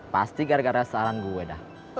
pasti gara gara saran gue udah